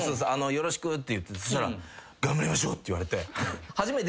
よろしくって言ったら「頑張りましょう！」って言われて。